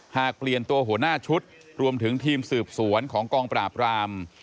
หากเปลี่ยนตัวหัวหน้าชุดรวมถึงทีมสืบสวนของกองปราบราม